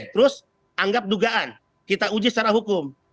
terus anggap dugaan kita uji secara hukum